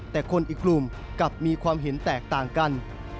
แต่คนอีกกลุ่มกลับมีความเห็นแตกต่างกัน